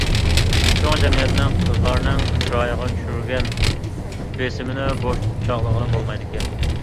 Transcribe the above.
شۇڭا جەمئىيەتنىڭ قىزلارنىڭ چىرايىغا چۈشۈرگەن بېسىمىنى بوش چاغلىغىلى بولمايدىكەن.